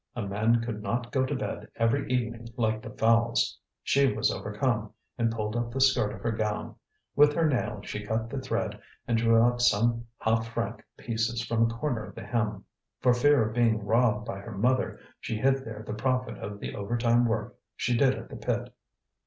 A man could not go to bed every evening like the fowls. She was overcome, and pulled up the skirt of her gown; with her nail she cut the thread and drew out some half franc pieces from a corner of the hem. For fear of being robbed by her mother she hid there the profit of the overtime work she did at the pit.